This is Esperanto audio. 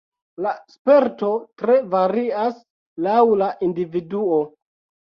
La sperto tre varias laŭ la individuo.